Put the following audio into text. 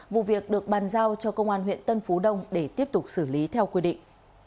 vụ việc được bàn giao cho công an huyện tân phú đông để tiếp tục xử lý theo quy định